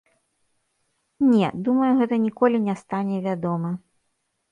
Не, думаю, гэта ніколі не стане вядома.